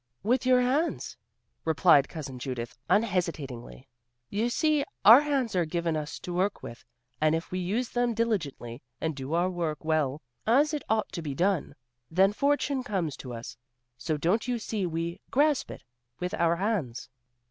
"With your hands," replied Cousin Judith unhesitatingly, "You see, our hands are given us to work with, and if we use them diligently and do our work well, as it ought to be done, then fortune comes to us; so don't you see we 'grasp it' with our hands?"